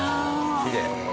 きれい。